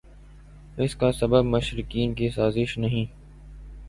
اس کا سبب مشترقین کی سازش نہیں